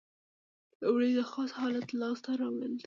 لومړی د خاص حالت لاس ته راوړل دي.